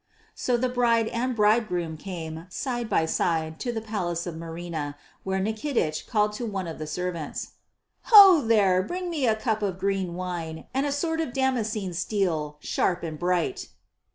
So the bride and bridegroom came, side by side, to the palace of Marina, where Nikitich called to one of the servants: "Ho, there, bring me a cup of green wine, and a sword of damascened steel, sharp and bright."